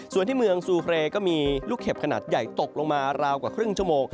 ส่วนที่เมืองซูเฟรย์ก็มีลูกเห็บขนาดใหญ่ตกลงมาราวกว่าครึ่งชั่วโมง